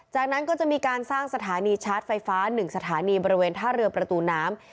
จากนั้นก็จะมีการสร้างสถานีชาร์จไฟฟ้า๑สถานีบริเวณท่าเรือประตูน้ำ